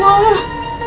ya allah ya allah